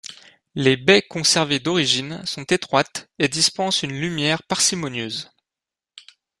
Les baies conservées d'origine sont étroites et dispensent une lumière parcimonieuse.